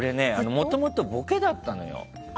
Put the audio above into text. もともとボケだったのよ。